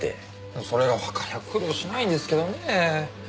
それがわかりゃあ苦労しないんですけどねぇ。